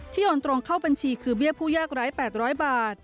โอนตรงเข้าบัญชีคือเบี้ยผู้ยากร้าย๘๐๐บาท